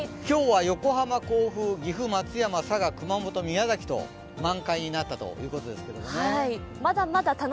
今日は横浜、甲府、岐阜、松山、佐賀、熊本・宮崎と満開となったということですけどね。